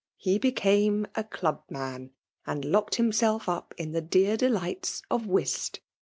He became a club man^ and locked himself up in the dear delights of whist.